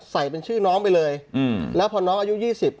ใส่เป็นชื่อน้องไปเลยอืมแล้วพอน้องอายุยี่สิบ